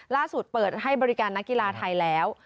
ล่าสุดเปิดให้บริการนักกีฬาไทยแล้ว